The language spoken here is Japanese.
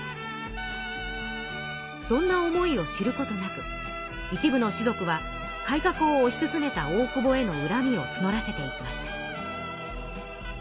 そんな思いを知ることなく一部の士族は改革を推し進めた大久保へのうらみをつのらせていきました。